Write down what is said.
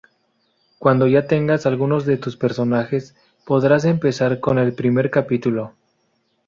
Cuando ya tengas algunos de tus personajes, podrás empezar con el primer capítulo.